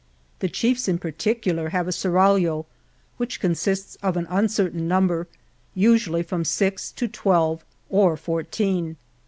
The chiefs in particular have a seraglio, which consists of an uncertain number, usu ally from six to twelve or fourteen.